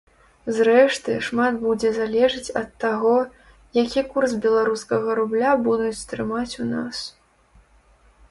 Зрэшты, шмат будзе залежыць ад таго, які курс беларускага рубля будуць трымаць у нас.